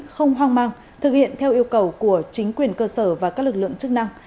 không hoang mang thực hiện theo yêu cầu của chính quyền cơ sở và các lực lượng chức năng